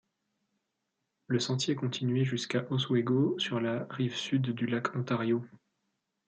Le sentier continuait jusqu'à Oswego sur la rive sud du lac Ontario.